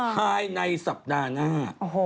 ภายในสัปดาห์หน้า